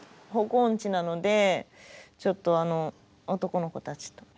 方向音痴なのでちょっとあの男の子たちと。